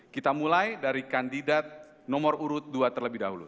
kita mulai dari kandidat nomor urut dua terlebih dahulu